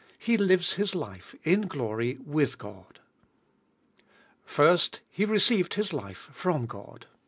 He lives His life in glory with God. First, He received His life from God.